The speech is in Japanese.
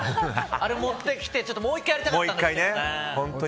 あれを持ってきてもう１回やりたかったんですけど。